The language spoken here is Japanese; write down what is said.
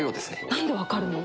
なんで分かるの？